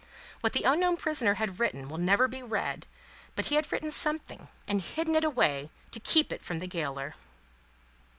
What the unknown prisoner had written will never be read, but he had written something, and hidden it away to keep it from the gaoler."